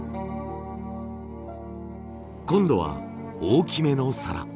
今度は大きめの皿。